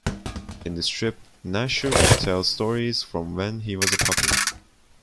In the strip, Gnasher would tell stories from when he was a puppy.